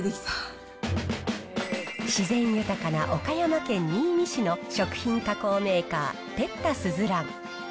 自然豊かな岡山県新見市の食品加工メーカー、哲多すずらん。